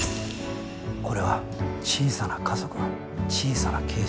これは小さな家族の小さなケースです。